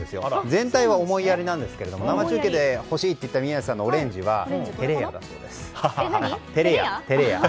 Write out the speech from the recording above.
全体は思いやりなんですけど生中継で欲しいって言った宮司さんのオレンジは照れ屋だそうです。